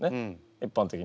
一般的に。